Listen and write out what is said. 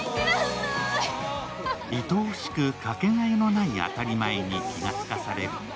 いとおしくかけがえのない当たり前に気がつかされる。